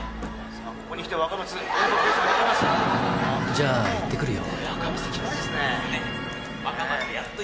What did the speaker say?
じゃあ行ってくるよ。